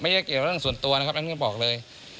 เกี่ยวเรื่องส่วนตัวนะครับท่านก็บอกเลย